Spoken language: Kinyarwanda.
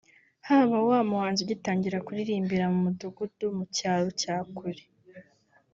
Haba wa muhanzi ugitangira kuririmbira mu mudugudu mu cyaro cya kure